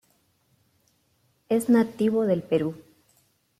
Es nativo del Perú.